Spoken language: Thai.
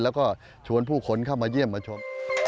แล้วก็ชวนผู้คนเข้ามาเยี่ยมมาชม